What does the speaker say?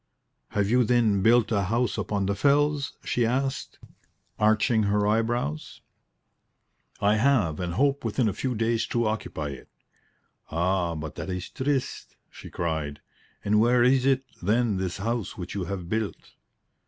"Have you, then, built a house upon the fells?" she asked, arching her eyebrows. "I have, and hope within a few days to occupy it." "Ah, but that is triste," she cried. "And where is it, then, this house which you have built?"